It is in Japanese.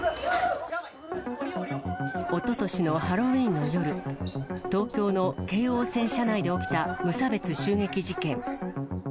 おととしのハロウィーンの夜、東京の京王線車内で起きた無差別銃撃事件。